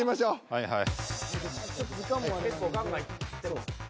はいはい。